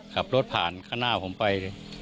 ขับรถผ่านข้างหน้าผมไป